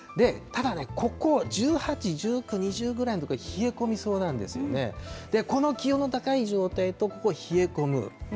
ただね、ここ、１８、１９、２０ぐらいのところ、冷え込みそうなんですね、この気温の高い状態と、ここ冷え込む。